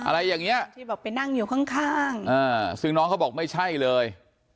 อะไรอย่างเงี้ยที่บอกไปนั่งอยู่ข้างข้างซึ่งน้องเขาบอกไม่ใช่เลย